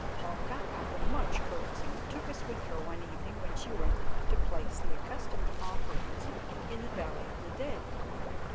Palka, after much coaxing, took us with her one evening when she went to place the accustomed offerings in the Valley of the Dead.